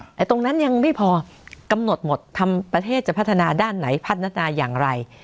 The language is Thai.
แต่ตรงนั้นยังไม่พอกำหนดหมดทำประเทศจะพัฒนาด้านไหนพัฒนาอย่างไร